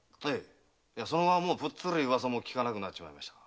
いやそのままぷっつり噂も聞かなくなっちまいました。